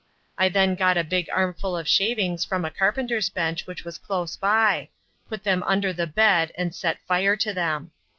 I then got a big armful of shavings from a carpenter's bench which was close by, put them under the bed and set fire to them.